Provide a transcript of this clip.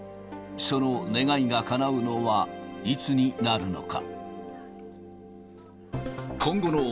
その願いがかなうのはいつになるのか。